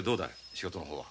仕事の方は。